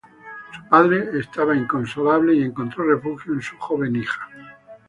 Su padre estaba inconsolable y encontró refugio en su joven hija.